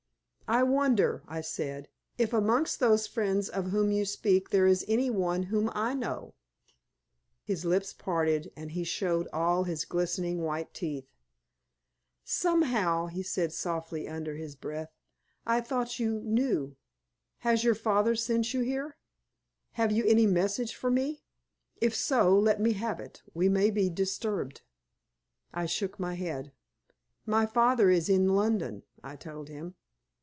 "I wonder," I said, "if amongst those friends of whom you speak there is any one whom I know." His lips parted, and he showed all his glistening white teeth. "Somehow," he said, softly, under his breath, "I thought you knew. Has your father sent you here? Have you any message for me? If so, let me have it, we may be disturbed." I shook my head. "My father is in London," I told him.